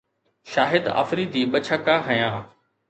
شاهد آفريدي ٻه ڇڪا هنيا